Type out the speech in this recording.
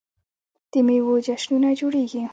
د میوو جشنونه جوړیږي.